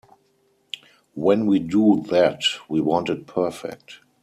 When we do that, we want it perfect.